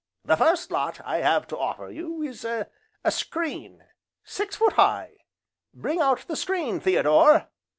The first lot I have to offer you is a screen, six foot high, bring out the screen, Theodore!